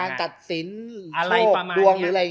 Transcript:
การจัดศิลป์โชคดวง